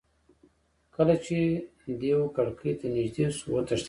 کله چې دېو کړکۍ ته نیژدې شو وتښتېدی.